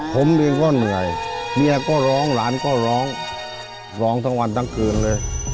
ผมเองก็เหนื่อยเมียก็ร้องหลานก็ร้องร้องทั้งวันทั้งคืนเลย